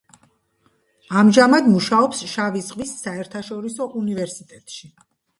ამჟამად მუშაობს შავი ზღვის საერთაშორისო უნივერსიტეტში.